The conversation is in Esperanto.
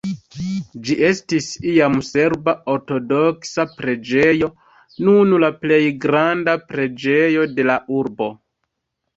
Ĝi estis iam serba ortodoksa preĝejo, nun la plej granda preĝejo de la urbo.